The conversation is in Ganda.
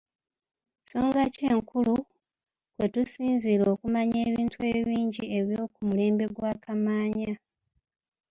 Nsonga ki enkulu kwe tusinziira okumanya ebintu ebingi eby'oku mulembe gwa Kamaanya?